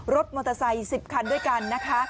รถมอเตอร์ไซค์๑๐คันด้วยกันนะคะ